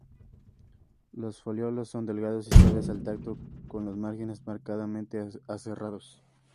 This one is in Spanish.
Los foliolos son delgados y suaves al tacto con los márgenes marcadamente aserrados.